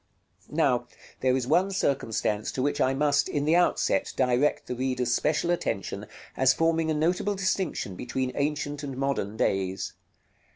Now there is one circumstance to which I must, in the outset, direct the reader's special attention, as forming a notable distinction between ancient and modern days.